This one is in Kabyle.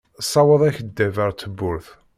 Ssaweḍ akeddab ar tawwurt.